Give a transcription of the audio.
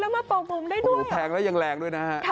ที่หน้าดูนฝุนมาปล่อผมได้ด้วย